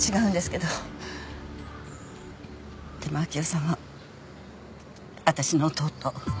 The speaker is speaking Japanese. でも明生さんは私の弟。